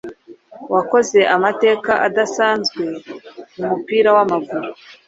wakoze amateka adasanzwe mu mupira w’amaguru